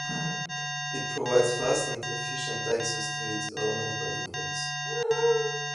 It provides fast and efficient access to its elements by index.